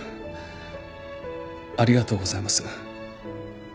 ありがとうございます。